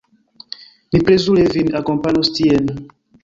Mi plezure vin akompanos tien.